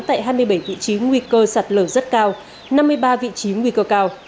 tại hai mươi bảy vị trí nguy cơ sạt lở rất cao năm mươi ba vị trí nguy cơ cao